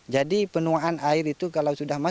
jadi penuaan air itu kalau sudah masuk